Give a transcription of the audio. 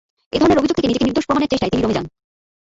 এধরনের অভিযোগ থেকে নিজেকে নির্দোষ প্রমাণের চেষ্টায় তিনি রোমে যান।